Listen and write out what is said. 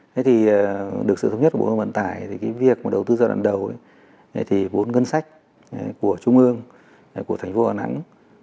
thế thì được sự thống nhất của bộ thông vận tải thì cái việc mà đầu tư giai đoạn đầu thì vốn ngân sách của trung ương của thành phố đà nẵng